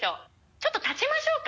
ちょっと立ちましょうか。